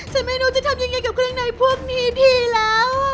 ไม่รู้จะทำยังไงกับเครื่องในพวกนี้ทีแล้ว